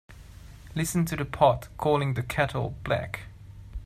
Listen to the pot calling the kettle black.